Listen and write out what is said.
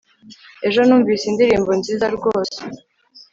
ejo numvise indirimbo nziza rwose